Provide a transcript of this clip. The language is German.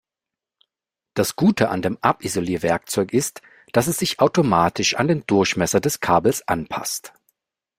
Das Gute an dem Abisolierwerkzeug ist, dass es sich automatisch an den Durchmesser des Kabels anpasst.